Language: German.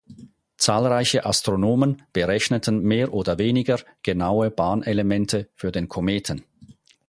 Zahlreiche Astronomen berechneten mehr oder weniger genaue Bahnelemente für den Kometen.